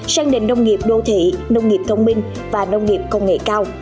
sang nền nông nghiệp đô thị nông nghiệp thông minh và nông nghiệp công nghệ cao